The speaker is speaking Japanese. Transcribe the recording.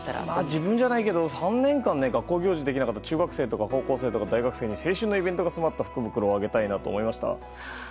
自分じゃないけど３年間学校行事ができなかった中学生や高校生や大学生たちに青春のイベントが詰まった福袋をあげたいと思いました。